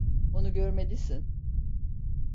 Onu görmelisin.